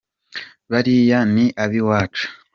Bariya ni abi’iwacu